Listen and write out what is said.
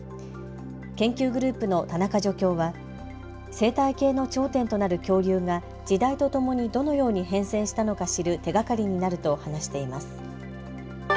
研究グループの田中助教は生態系の頂点となる恐竜が時代とともにどのように変遷したのか知る手がかりになると話しています。